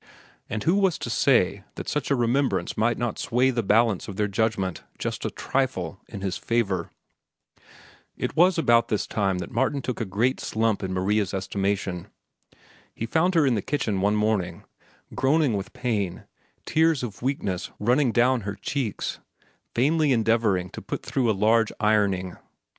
And who was to say that such a remembrance might not sway the balance of their judgment just a trifle in his favor? It was about this time that Martin took a great slump in Maria's estimation. He found her in the kitchen one morning groaning with pain, tears of weakness running down her cheeks, vainly endeavoring to put through a large ironing.